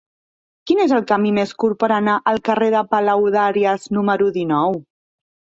Quin és el camí més curt per anar al carrer de Palaudàries número dinou?